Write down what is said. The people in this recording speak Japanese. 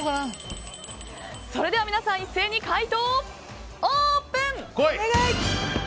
皆さん一斉に解答をオープン！